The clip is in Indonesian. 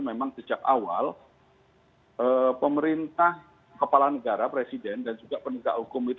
memang sejak awal pemerintah kepala negara presiden dan juga penegak hukum itu